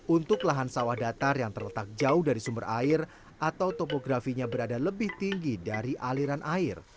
untuk lahan sawah datar yang terletak jauh dari sumber air atau topografinya berada lebih tinggi dari aliran air